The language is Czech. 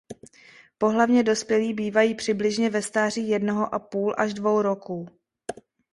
Pohlavně dospělí bývají přibližně ve stáří jednoho a půl až dvou roků.